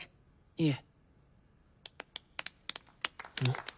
いえ。